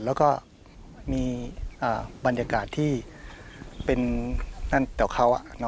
แล้วก็มีบรรยากาศที่เป็นนั่นต่อเขา